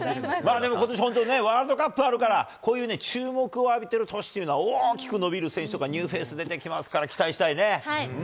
でもことし本当にね、ワールドカップあるから、こういう注目を浴びてる年っていうのは大きく伸びる選手とか、ニューフェース出てきますから、期待したいね。